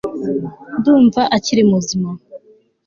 ndumva akiri muzima